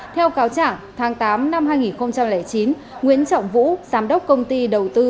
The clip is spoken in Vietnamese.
theo cáo trả tháng tám năm hai nghìn chín nguyễn trọng vũ giám đốc công ty đầu tư